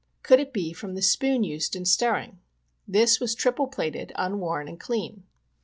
Could it be from the spoon used in stirring ? this was tripple plated, unworn, and clean.